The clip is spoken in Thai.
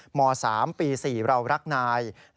ม๓ปี๔เรารักนาย